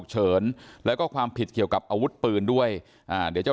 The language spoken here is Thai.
เฉินแล้วก็ความผิดเกี่ยวกับอาวุธปืนด้วยอ่าเดี๋ยวเจ้า